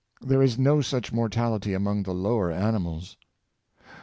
There is no such mortality among the lower animals.